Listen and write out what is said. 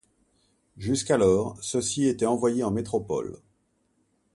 Jusqu'alors, ceux-ci étaient envoyés en métropole.